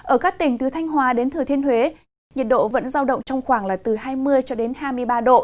ở các tỉnh từ thanh hòa đến thừa thiên huế nhiệt độ vẫn giao động trong khoảng là từ hai mươi hai mươi ba độ